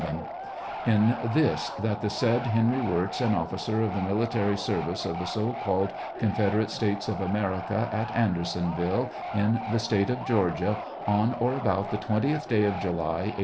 — In tbi.* : that the said Henry Wirz, an officer in the military service of the So called Ooulcderate States of America, at Andersonville, in the TEIAL OF HENRY WIEZ. 7 State of Georgia, on or about the twentieth day of July, A.